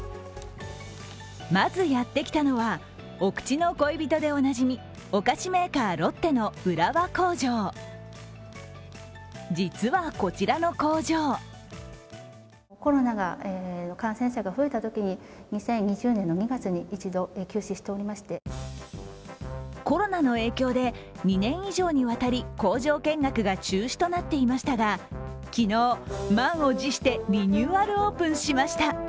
まずやってきたのは、お口の恋人でおなじみお菓子メーカー、ロッテの浦和工場実はこちらの工場コロナの影響で２年以上にわたり工場見学が中止となっていましたが、昨日、満を持してリニューアルオープンしました。